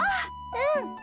うん。